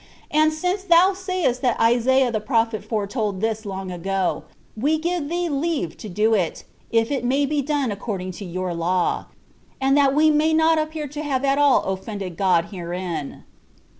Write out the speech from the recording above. But since thou sayest that Isaiah the prophet foretold this long ago, we give thee leave to do it, if it may be done according to your law, and so that we may not appear to have at all offended God herein."